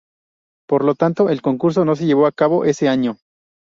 Por lo tanto, el concurso no se llevó a cabo ese año.